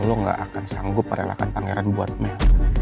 gue tau kalo lo gak akan sanggup relakan pangeran buat mel